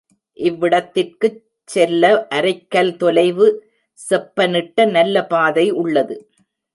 இவ்விடத்திற்குச் செல்ல அரைக்கல் தொலைவு செப்பனிட்ட நல்ல பாதை உள்ளது.